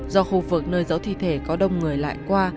do khu vực nơi giấu thi thể có đông người lại qua